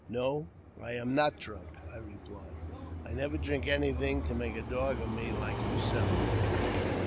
" No, I am not drunk," I replied ;*' I never drink anything to make a dog of me like yourselves."